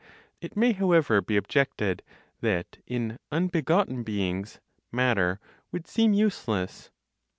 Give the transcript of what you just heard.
It may however be objected that in unbegotten beings matter would seem useless.